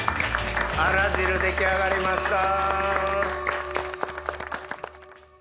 アラ汁出来上がりました。